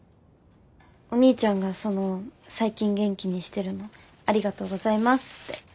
お兄ちゃんがその最近元気にしてるのありがとうございますって。